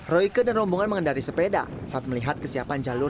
royke dan rombongan mengendari sepeda saat melihat kesiapan jalur